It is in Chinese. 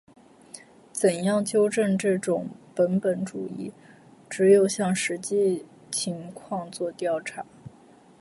怎样纠正这种本本主义？只有向实际情况作调查。